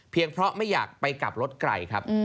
เพราะไม่อยากไปกลับรถไกลครับ